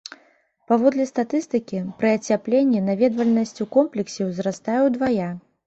Паводле статыстыкі, пры ацяпленні наведвальнасць у комплексе ўзрастае ўдвая.